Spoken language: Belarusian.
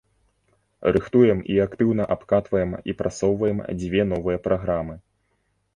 Рыхтуем і актыўна абкатваем і прасоўваем дзве новыя праграмы.